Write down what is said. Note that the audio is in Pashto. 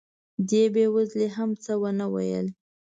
دې بې وزلې هم څه ونه ویل.